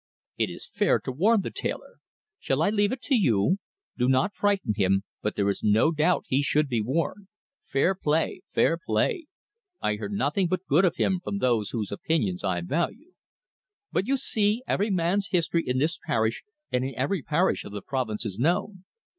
It is fair to warn the tailor. Shall I leave it to you? Do not frighten him. But there is no doubt he should be warned fair play, fair play! I hear nothing but good of him from those whose opinions I value. But, you see, every man's history in this parish and in every parish of the province is known.